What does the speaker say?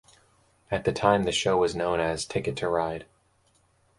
At the time the show was known as Ticket To Ride.